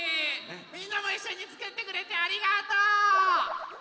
みんなもいっしょにつくってくれてありがとう！